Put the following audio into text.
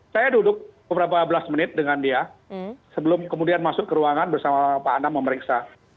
saya duduk beberapa belas menit dengan dia sebelum kemudian masuk ke ruangan bersama pak anam memeriksa